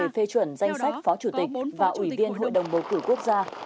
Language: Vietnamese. phó chủ tịch và ủy viên hội đồng bầu cử quốc gia